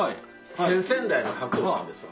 先々代の白鸚さんですわ。